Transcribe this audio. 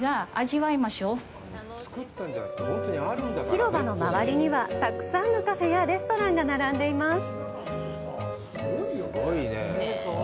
広場の周りにはたくさんのカフェやレストランが並んでいます。